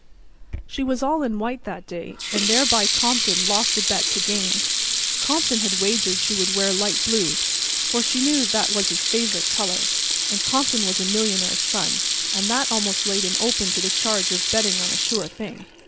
She was all in white that day; and thereby Compton lost a bet to Gaines. Compton had wagered she would wear light blue, for she knew that was his favorite color, and Compton was a millionaire's son, and that almost laid him open to the charge of betting on a sure thing.